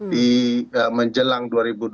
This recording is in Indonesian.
di menjelang dua ribu dua puluh